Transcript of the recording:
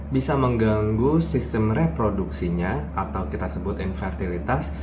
bisa mengganggu sistem reproduksinya atau kita sebutin fertilitas